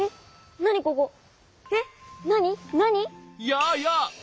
やあやあ！